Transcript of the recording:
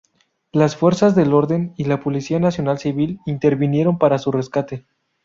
Las fuerzas del orden y la policía nacional civil intervinieron para su rescate.